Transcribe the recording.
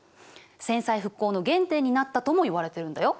戦災復興の原点になったともいわれてるんだよ。